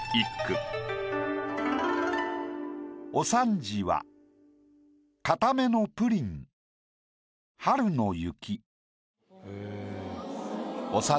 「お三時は固めのプリン春の雪」。